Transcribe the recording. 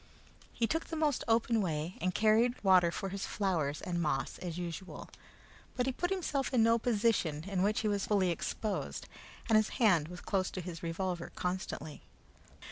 He took the most open way, and carried water for his flowers and moss as usual; but he put himself into no position in which he was fully exposed, and his hand was close his revolver constantly.